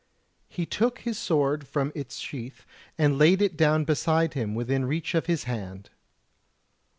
He took his sword from its sheath and laid it down beside him within reach of his hand.